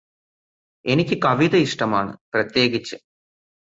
എനിക്ക് കവിത ഇഷ്ടമാണ് പ്രത്യേകിച്ച്